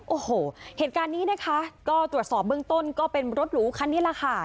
โอ้โหเหตุการณ์นี้นะคะก็ตรวจสอบเบื้องต้นก็เป็นรถหรูคันนี้แหละค่ะ